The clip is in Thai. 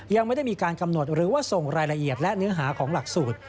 ยังไม่ได้มีการกำหนดหรือว่าส่งรายละเอียดและเนื้อหาของหลักสูตร